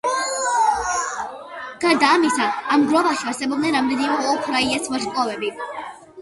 გარდა ამისა, ამ გროვაში არსებობენ რამდენიმე ვოლფ-რაიეს ვარსკვლავები.